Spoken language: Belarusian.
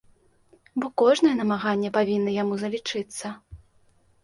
Бо кожнае намаганне павінна яму залічыцца.